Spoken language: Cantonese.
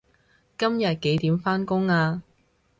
今日幾點返工啊